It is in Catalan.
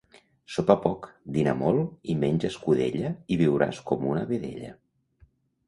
Sopa poc, dina molt i menja escudella i viuràs com una vedella.